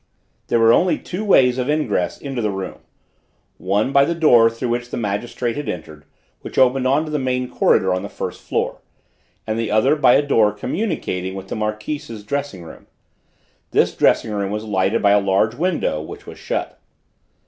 There were only two ways of ingress into the room: one by the door through which the magistrate had entered, which opened on to the main corridor on the first floor, and the other by a door communicating with the Marquise's dressing room; this dressing room was lighted by a large window, which was shut.